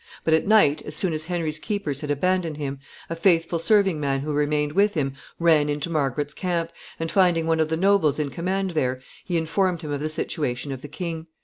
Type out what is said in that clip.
But at night, as soon as Henry's keepers had abandoned him, a faithful serving man who remained with him ran into Margaret's camp, and finding one of the nobles in command there, he informed him of the situation of the king.